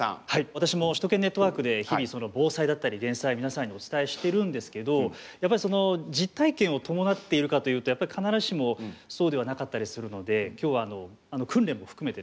私も「首都圏ネットワーク」で日々防災だったり減災を皆さんにお伝えしてるんですけど実体験を伴っているかというとやっぱり必ずしもそうではなかったりするので今日は訓練も含めてですね